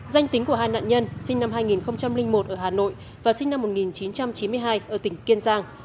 danh tính của hai nạn nhân sinh năm hai nghìn một ở hà nội và sinh năm một nghìn chín trăm chín mươi hai ở tỉnh kiên giang